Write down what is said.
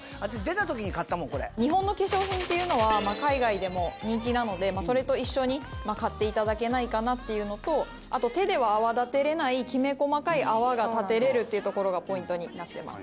日本の化粧品っていうのは海外でも人気なのでそれと一緒に買っていただけないかなっていうのとあと手では泡立てられないきめ細かい泡が立てられるっていうところがポイントになってます。